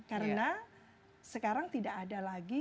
karena sekarang tidak ada lagi